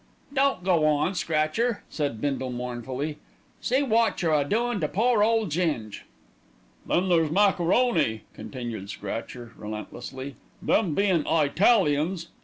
"Don't go on, Scratcher," said Bindle mournfully; "see wot you're a doin' to pore Ole Ging." "Then there's macaroni," continued Scratcher relentlessly, "them bein' I talians.